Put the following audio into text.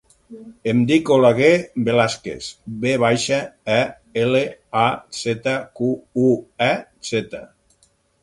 Em dic Oleguer Velazquez: ve baixa, e, ela, a, zeta, cu, u, e, zeta.